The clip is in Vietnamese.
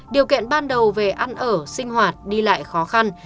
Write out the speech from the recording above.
điều kiện ban đầu về ăn ở sinh hoạt đi lại khó khăn